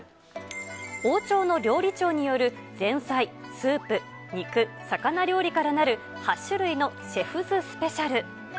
王朝の料理長による前菜、スープ、肉、魚料理からなる、８種類のシェフズ・スペシャル。